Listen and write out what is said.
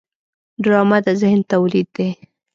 ډرامه د ذهن تولید دی